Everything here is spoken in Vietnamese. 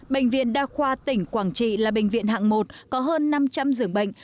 bệnh viện đa khoa tỉnh quảng trị là bệnh viện hạng một có hơn năm trăm linh giường bệnh